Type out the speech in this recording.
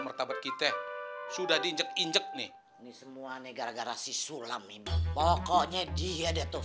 mertabat kita sudah diinjek injek nih semua negara garasi sulam ini pokoknya dia deh tuh